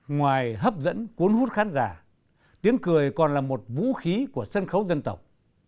ngoài hấp dẫn cuốn hút khán giả tiếng cười còn là một vũ khí của sân khấu dân tộc